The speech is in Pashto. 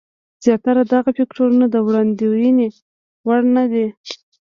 زیاتره دغه فکټورونه د وړاندوینې وړ نه دي.